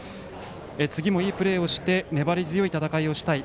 次もいいプレーをして粘り強い戦いをしたい。